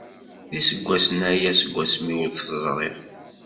D iseggasen aya seg wasmi ur t-ẓriɣ.